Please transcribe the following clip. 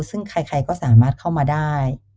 ซึ่งใครก็สามารถเข้ามาได้